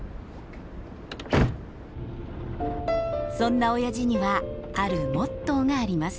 そんなオヤジにはあるモットーがあります。